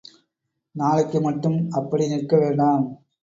நாளைக்கு மட்டும் அப்படி நிற்க வேண்டாம்.